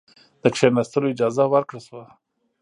د کښېنستلو اجازه ورکړه شوه.